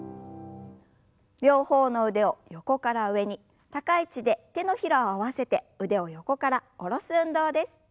両方の腕を横から上に高い位置で手のひらを合わせて腕を横から下ろす運動です。